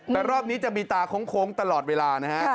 แต่รอบนี้จะมีตาโค้งตลอดเวลานะฮะ